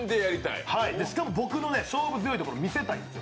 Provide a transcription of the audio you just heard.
僕の勝負強いところ見せたいんです。